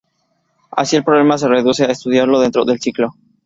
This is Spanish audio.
Así, el problema se reduce a estudiarlo dentro del ciclo.